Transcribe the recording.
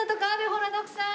ほら徳さん！